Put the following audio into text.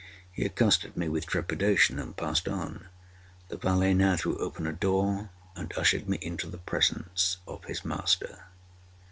He accosted me with trepidation and passed on. The valet now threw open a door and ushered me into the presence of his master.